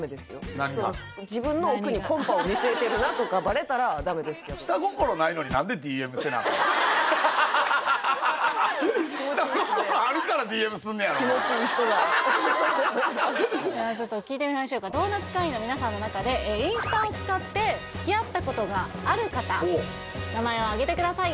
自分の奥にコンパを見据えてるなとかバレたらダメですけど下心あるからＤＭすんねやろではちょっと聞いてみましょうかドーナツ会員の皆さんの中でインスタを使ってつきあったことがある方名前をあげてください